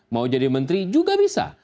mau jadi menteri juga bisa